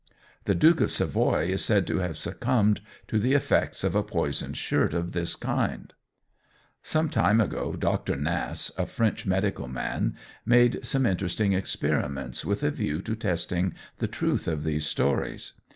The Duke of Savoy is said to have succumbed to the effects of a poisoned shirt of this kind. Some time ago Dr. Nass, a French medical man, made some interesting experiments, with a view to testing the truth of these stories.